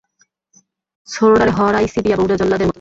ছোডডারে হরাইছি বিয়া বউডা জল্লাদের মতোন।